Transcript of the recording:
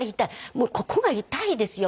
もうここが痛いですよ。